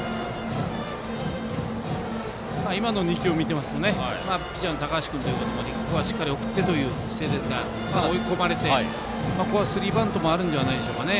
２球を見ているとピッチャーの高橋君に対してここはしっかり送ってという姿勢ですが、ここはスリーバントもあるんではないでしょうか。